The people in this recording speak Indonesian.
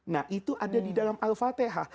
nah itu ada di dalam al fatihah